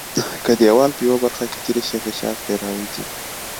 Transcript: که دیوال په یوه برخه کې څیري شي غشا ترې راوځي.